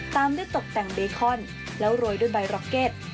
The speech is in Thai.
ตามด้วยตกแต่งเบคอนแล้วโรยด้วยใบร็อกเก็ต